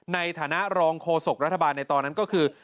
ในฐานะรองโฆษกรัฐบาลในตอนนั้นก็คือ